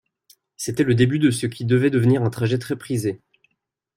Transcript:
C'était le début de ce qui devait devenir un trajet très prisé.